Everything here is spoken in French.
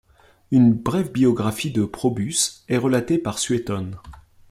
Une brève biographie de Probus est relatée par Suétone.